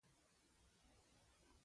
بیخي ښکلی ځای دی .